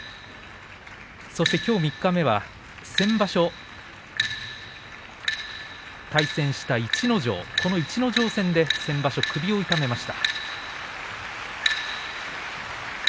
そして、きょう三日目は先場所、対戦した逸ノ城逸ノ城戦で先場所首を痛めました。